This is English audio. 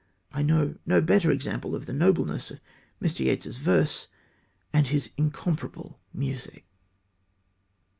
I know no better example of the nobleness of Mr. Yeats's verse and his incomparable music.